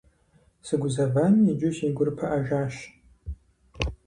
Сыгузэвами, иджы си гур пыӀэжащ.